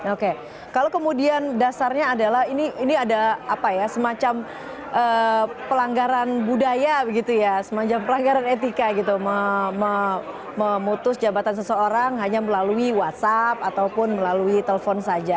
oke kalau kemudian dasarnya adalah ini ada apa ya semacam pelanggaran budaya begitu ya semacam pelanggaran etika gitu memutus jabatan seseorang hanya melalui whatsapp ataupun melalui telepon saja